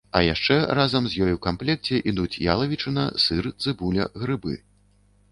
А яшчэ разам з ёй у камплекце ідуць ялавічына, сыр, цыбуля, грыбы.